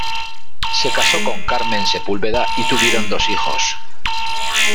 Se casó con Carmen Sepúlveda y tuvieron dos hijos.